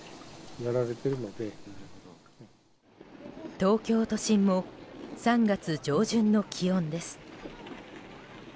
東京都心も３月上旬の気温です。